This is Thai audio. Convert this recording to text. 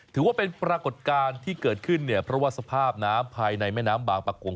ถือว่าเป็นปรากฏการณ์ที่เกิดขึ้นเนี่ยเพราะว่าสภาพน้ำภายในแม่น้ำบางประกง